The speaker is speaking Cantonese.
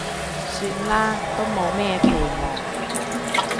算啦，都冇咩期望